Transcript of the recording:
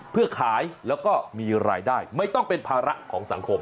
เพื่อขายแล้วก็มีรายได้ไม่ต้องเป็นภาระของสังคม